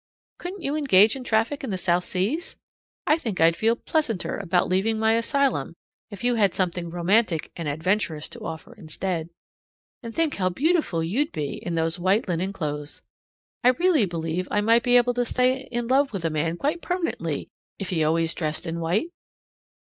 Couldn't you engage in traffic in the South Seas? I think I'd feel pleasanter about leaving my asylum if you had something romantic and adventurous to offer instead. And think how beautiful you'd be in those white linen clothes! I really believe I might be able to stay in love with a man quite permanently if he always dressed in white.